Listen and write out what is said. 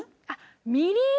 みりん。